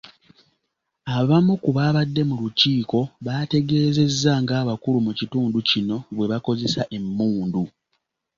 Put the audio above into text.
Abamu ku baabadde mu lukiiko bategeezezza ng'abakulu mu kitundu kino, bwe bakozesa emmundu.